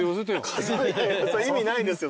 意味ないですよ